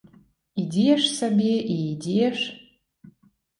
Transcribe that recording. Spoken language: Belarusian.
Ідзеш сабе і ідзеш.